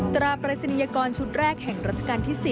ตราบริษณียกรชุดแรกแห่งราชการที่๑๐